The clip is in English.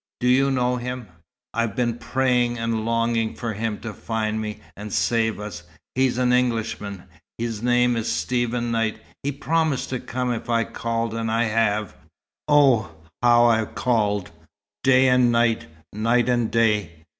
"Do you know him?" "I've been praying and longing for him to find me, and save us. He's an Englishman. His name is Stephen Knight. He promised to come if I called, and I have. Oh, how I've called, day and night, night and day!"